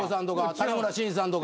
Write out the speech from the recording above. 谷村新司さんとか。